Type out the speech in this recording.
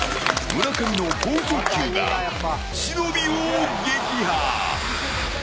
村上の剛速球が忍を撃破。